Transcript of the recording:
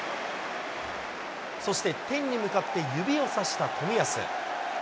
そして、天に向かって指をさした冨安。